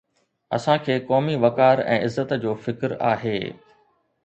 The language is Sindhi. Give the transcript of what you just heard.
اسان کي قومي وقار ۽ عزت جو فڪر آهي.